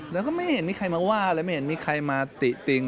แล้วก็ไม่เห็นมีใครมาว่าและมีใครมาติ่ะติ๊ง